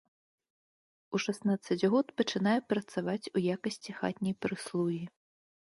У шаснаццаць год пачынае працаваць у якасці хатняй прыслугі.